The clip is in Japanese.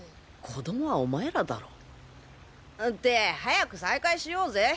子どもはお前らだろ。って早く再開しようぜ。